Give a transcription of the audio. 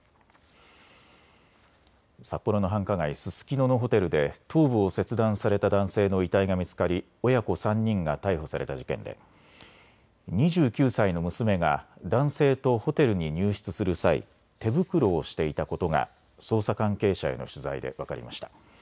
札幌の繁華街、ススキノのホテルで頭部を切断された男性の遺体が見つかり親子３人が逮捕された事件で２９歳の娘が男性とホテルに入室する際、手袋をしていたことが捜査関係者への取材で分かりました。